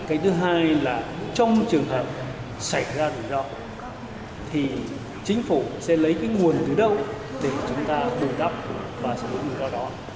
cái thứ hai là trong trường hợp xảy ra rủi ro thì chính phủ sẽ lấy nguồn từ đâu để chúng ta đổi đắp và sử dụng rủi ro đó